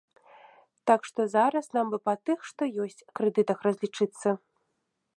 Так што зараз нам бы па тых, што ёсць, крэдытах разлічыцца.